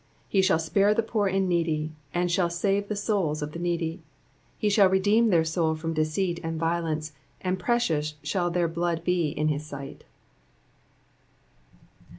13 He shall spare the poor and needy, and shall save the souls of the needy. 14 He shall redeem their soul from deceit and violence : and precious shall their blood be in his sight.